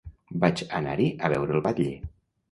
Vaig anar-hi a veure el batlle.